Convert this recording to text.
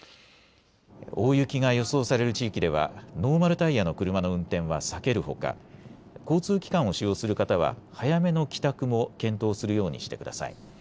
大雪が予想される地域ではノーマルタイヤの車の運転は避けるほか、交通機関を使用する方は早めの帰宅も検討するようにしてください。